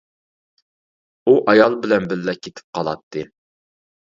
ئۇ ئايال بىلەن بىللە كېتىپ قالاتتى.